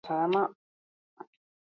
Gainontzeko taldeak oso atzean ibili ziren.